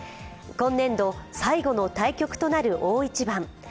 今年度、最後の対局となる大一番。